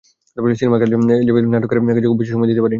সিনেমার কাজে ব্যস্ত থাকায় নাটকের কাজে খুব বেশি সময় দিতে পারিনি।